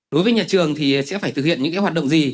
đối với nhà trường thì sẽ phải thực hiện những hoạt động gì